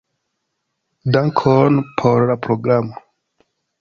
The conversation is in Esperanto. Dankon por la programo.